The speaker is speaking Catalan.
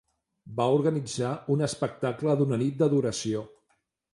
va organitzar un espectacle d'una nit de duració.